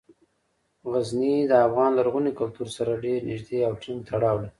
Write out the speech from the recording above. غزني د افغان لرغوني کلتور سره ډیر نږدې او ټینګ تړاو لري.